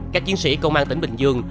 các chiến sĩ công an tỉnh bình dương